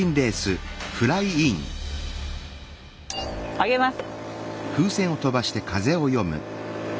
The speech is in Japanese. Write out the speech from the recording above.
揚げます。